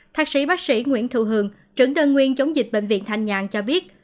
thác sĩ bác sĩ nguyễn thụ hường trưởng đơn nguyên chống dịch bệnh viện thanh nhang cho biết